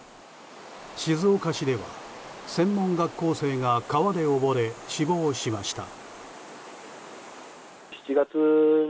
静岡市では専門学校生が川で溺れ死亡しました。